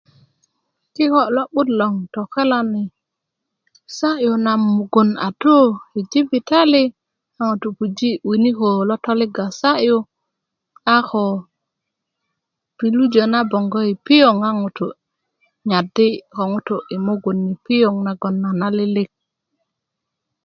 kikö lo'but loŋ tokelani sa'yu na mugun na a tu i jibitali a ŋutu puji winiko lo toliga sa'yu a ko tolubo na bongo i piöŋ a ŋutu nyadi ko ŋutu i mugun piöŋ nagon a na lilik